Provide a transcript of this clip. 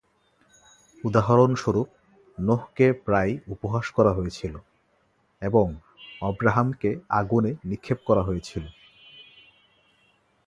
উদাহরণস্বরূপ, নোহকে প্রায়ই উপহাস করা হয়েছিল এবং অব্রাহামকে আগুনে নিক্ষেপ করা হয়েছিল।